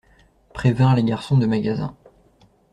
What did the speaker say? Prévinrent les garçons de magasin.